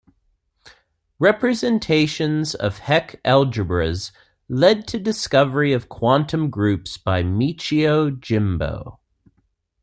Representations of Hecke algebras led to discovery of quantum groups by Michio Jimbo.